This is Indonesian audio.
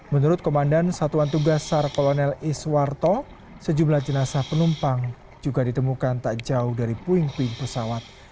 menurut komandan satuan tugas sar kolonel iswarto sejumlah jenazah penumpang juga ditemukan tak jauh dari puing puing pesawat